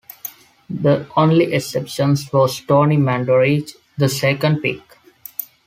The only exception was Tony Mandarich, the second pick.